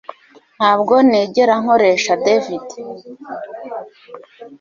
Ntabwo nigera nkoresha David